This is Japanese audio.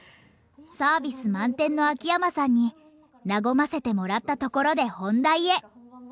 サービス満点の秋山さんに和ませてもらったところで本題へ。